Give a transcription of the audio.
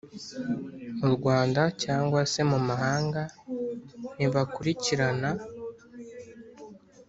mu Rwanda cyangwa se mu mahanga ntibakurikirana